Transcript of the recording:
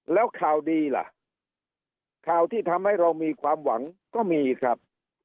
แล้วข่าวดีล่ะข่าวที่ทำให้เรามีความหวังก็มีครับ